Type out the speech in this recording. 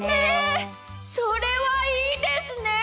それはいいですね！